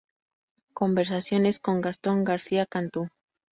Conversaciones con Gastón García Cantú".